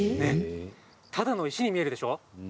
ただの石に見えるでしょう？